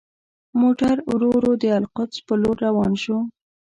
موټر ورو ورو د القدس په لور روان شو.